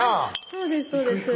そうです